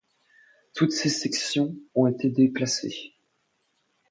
Toutes ces sections ont été déclassées.